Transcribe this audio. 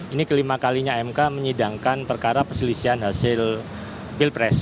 ini kelima kalinya mk menyidangkan perkara perselisihan hasil pilpres